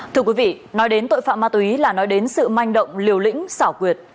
thưa quý vị nói đến tội phạm ma túy là nói đến sự manh động liều lĩnh xảo quyệt